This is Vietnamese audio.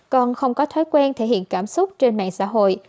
còn không có thói quen thể hiện cảm xúc trên mạng xã hội